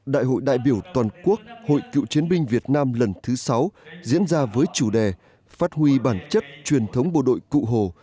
đại hội đại biểu toàn quốc hội cựu chiến binh việt nam lần thứ sáu diễn ra với chủ đề phát huy bản chất truyền thống bộ đội cụ hồ